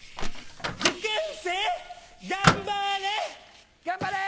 受験生頑張れ！